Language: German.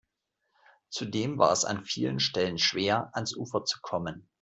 Zudem war es an vielen Stellen schwer, ans Ufer zu kommen.